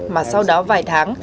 mà sau đó vài tháng